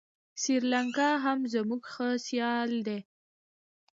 سریلانکا هم زموږ ښه سیال دی.